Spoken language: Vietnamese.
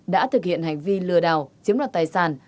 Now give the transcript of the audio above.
đã thực hiện hành vi lừa đảo chiếm đoạt tài sản